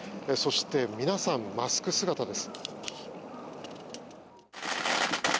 そして、皆さんマスク姿です。